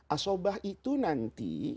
asobah itu nanti